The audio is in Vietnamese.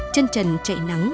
chân trần chạy nắng